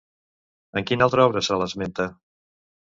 En quina altra obra se l'esmenta?